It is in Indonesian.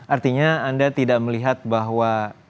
artinya anda tidak melihat bahwa